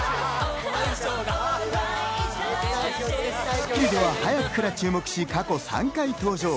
『スッキリ』では早くから注目し、過去３回登場。